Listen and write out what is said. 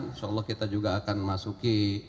insyaallah kita juga akan masuki